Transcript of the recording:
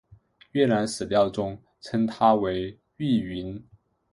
越南史料中称她为玉云。